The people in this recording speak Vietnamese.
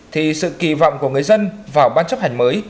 thì sự kỳ vọng của người dân vào ban chấp hành mới